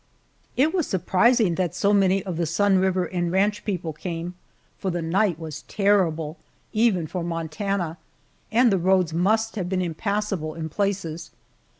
It was surprising that so many of the Sun River and ranch people came, for the night was terrible, even for Montana, and the roads must have been impassable in places.